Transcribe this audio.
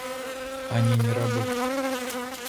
Они не рабы!